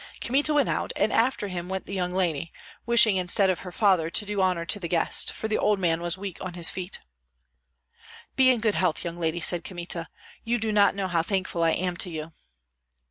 Kmita went out; and after him went the young lady, wishing instead of her father to do honor to the guest, for the old man was weak on his feet. "Be in good health, young lady," said Kmita; "you do not know how thankful I am to you."